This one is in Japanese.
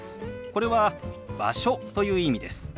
これは「場所」という意味です。